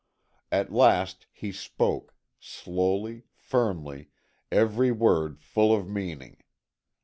At last he spoke, slowly, firmly, every word full of meaning.